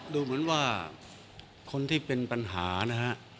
ดูเหมือนว่าคนที่เป็นปัญหานะฮะ